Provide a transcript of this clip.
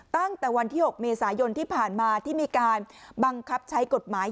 ตั้งแต่วันที่๖เมษายนที่ผ่านมาที่มีการบังคับใช้กฎหมาย